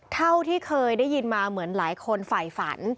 เท่าที่เคยได้ยินมาเหมือนหลายคนฝ่ายฝัน